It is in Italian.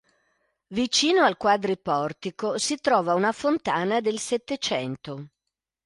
Vicino al quadri portico si trova una fontana del Settecento.